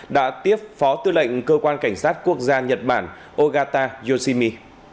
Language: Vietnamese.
đã tiếp phó tư lệnh cơ quan cảnh sát quốc gia nhật bản ogata yoshimi